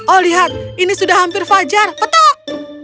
oh lihat ini sudah hampir fajar petok